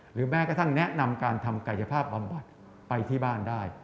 แม้กระทั่งแนะนำการทำกายภาพบำบัดไปที่บ้านได้